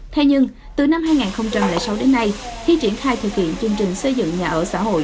thế nhưng từ năm hai nghìn sáu đến nay khi triển khai thực hiện chương trình xây dựng nhà ở xã hội